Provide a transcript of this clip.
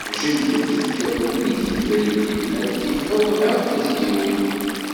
Jelleb, tekkeḍ nnig tebridin, ad tifeḍ akk tizyiwin.